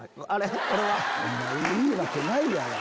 あれ。